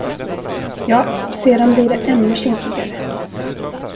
Ja, sedan blir det ännu kinkigare.